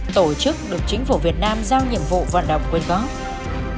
tổ chức được chính phủ việt nam giao nhiệm vụ vận động quyên góp